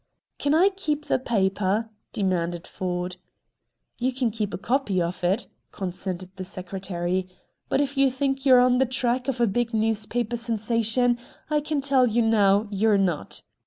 "Can I keep the paper?" demanded Ford. "You can keep a copy of it," consented the Secretary. "But if you think you're on the track of a big newspaper sensation, I can tell you now you're not.